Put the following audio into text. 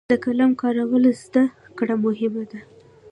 د قلم کارولو زده کړه مهمه ده.